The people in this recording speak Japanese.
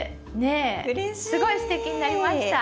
すごいすてきになりました。